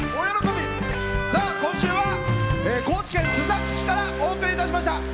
今週は高知県須崎市からお送りいたしました。